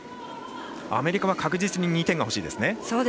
アメリカは確実に２点が欲しいですね。